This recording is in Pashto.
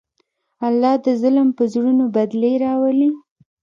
الله د ظلم په زړونو بدلې راولي.